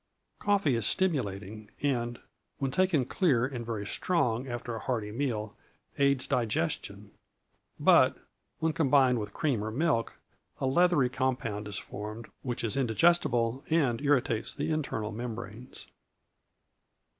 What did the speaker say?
Coffee is stimulating, and, when taken clear and very strong after a hearty meal, aids digestion; but, when combined with cream or milk, a leathery compound is formed, which is indigestible and irritates the internal membranes.